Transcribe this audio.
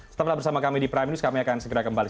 setelah bersama kami di prime news kami akan segera kembali